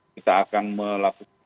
kita akan melakukan